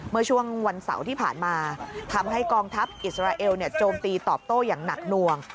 เมื่อช่วงวันเสาร์ที่ผ่านมาทำให้กองทัพอิสราเอลโจมตีตอบโต้อย่างหนักหน่วง